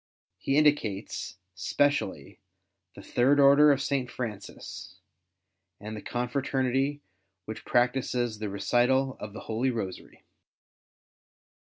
He indicates, specially, the Third Order of Saint Francis and the confi'aternity which practices the recital of the Holy Kosary.